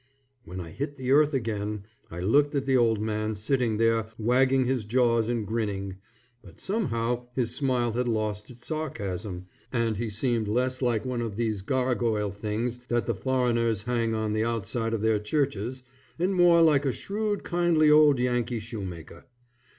When I hit the earth again, I looked at the old man sitting there wagging his jaws and grinning, but somehow his smile had lost its sarcasm, and he seemed less like one of these gargoyle things that the foreigners hang on the outside of their churches, and more like a shrewd kindly old Yankee shoemaker.